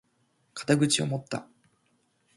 肩口を持った！